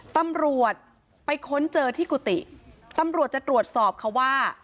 ตำรวจไปค้นเจอที่กุฏิตำรวจจะตรวจสอบเขาว่า